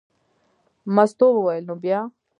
مستو وویل: نو بیا.